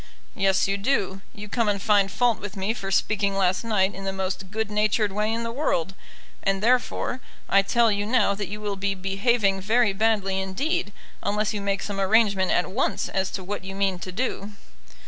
"Yes, you do. You come and find fault with me for speaking last night in the most good natured way in the world. And, therefore, I tell you now that you will be behaving very badly indeed, unless you make some arrangement at once as to what you mean to do."